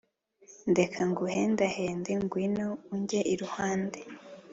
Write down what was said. Ndeka nguhendahende Ngw'ino unjye iruhande